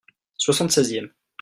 Soixante-seizième.